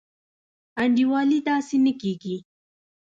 انډيوالي داسي نه کيږي.